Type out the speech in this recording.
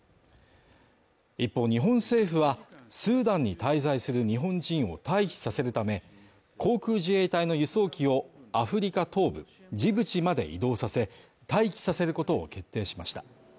一方日本政府はスーダンに滞在する日本人を退避させるため、航空自衛隊の輸送機をアフリカ東部ジブチまで移動させ、待機させることを決定しました。